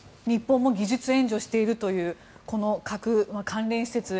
日本も技術援助しているという核の関連施設